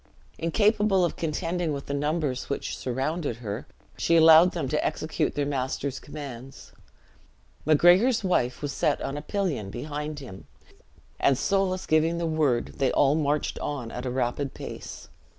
Incapable of contending with the numbers which surrounded her, she allowed them to execute their master's commands. Macgregor's wife was set on a pillion behind him; and Soulis giving the word, they all marched on at a rapid pace.